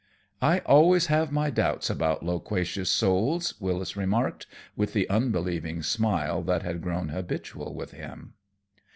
"I always have my doubts about loquacious souls," Wyllis remarked, with the unbelieving smile that had grown habitual with him.